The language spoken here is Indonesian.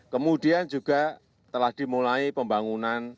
kemudian juga telah dimulai pembangunan runway yang ketiga